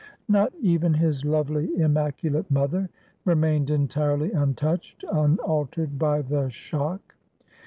Not even his lovely, immaculate mother, remained entirely untouched, unaltered by the shock.